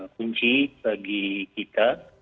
kunci bagi kita